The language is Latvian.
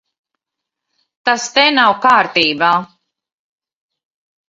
Tas te nav kārtībā.